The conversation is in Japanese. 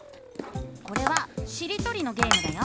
これはしりとりのゲームだよ。